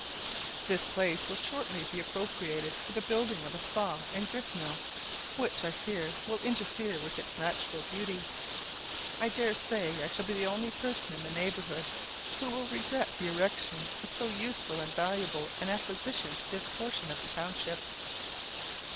This place will shortly be appropriated for the building of a saw and grist mill, which, I fear, will interfere with its natural beauty. I dare say, I shall be the only person in the neighbourhood who will regret the erection of so useful and valuable an acquisition to this portion of the township.